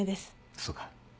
そうか。